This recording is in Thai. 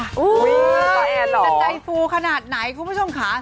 ทั่วชาติใจฟูขนาดไหนคุณผู้ชมค่า